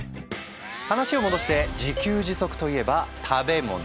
話を戻して自給自足といえば食べ物。